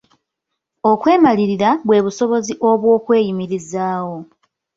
Okwemalirira bwe busobozi obw'okweyimirizaawo.